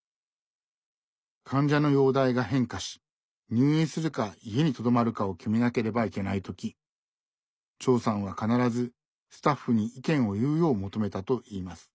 患者の容体が変化し入院するか家にとどまるかを決めなければいけない時長さんは必ずスタッフに意見を言うよう求めたといいます。